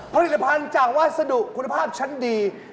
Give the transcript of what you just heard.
ผลิตภัณฑ์จากวัสดุคุณภาพชั้นดี